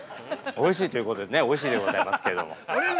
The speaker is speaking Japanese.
◆おいしいということでね、おいしいでございますけれども。